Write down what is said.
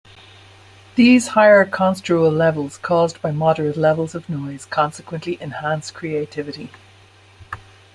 These higher construal levels caused by moderate levels of noise consequently enhance creativity.